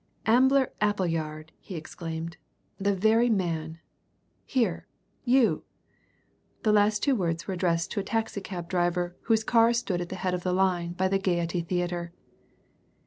"Ambler Appleyard!" he exclaimed. "The very man! Here, you!" The last two words were addressed to a taxi cab driver whose car stood at the head of the line by the Gaiety Theatre.